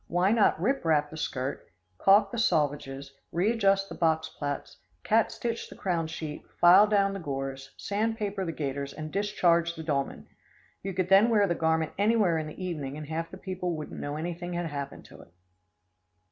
Why not riprap the skirt, calk the solvages, readjust the box plaits, cat stitch the crown sheet, file down the gores, sandpaper the gaiters and discharge the dolman. You could then wear the garment anywhere in the evening, and half the people wouldn't know anything had happened to it.